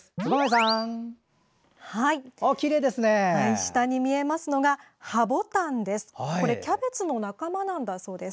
下に見えますのが葉ぼたんです。